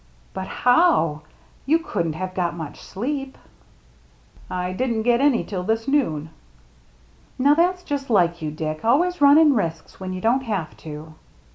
" But how ? You couldn't have got much sleep." " I didn't get any till this noon." "Now, that's just like you, Dick, always running risks when you don't have to."